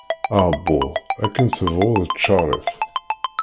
Aεebbuḍ, akken tebɣuḍ ččar-it.